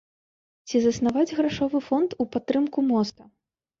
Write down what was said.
Ці заснаваць грашовы фонд у падтрымку моста.